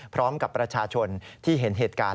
พร้อมกับประชาชนที่เห็นเหตุการณ์